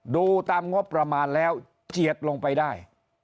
ดูตามงบประมาณแล้วเจียดลงไปได้